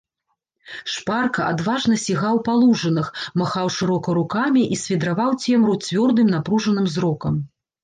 Шпарка, адважна сігаў па лужынах, махаў шырока рукамі і свідраваў цемру цвёрдым напружаным зрокам.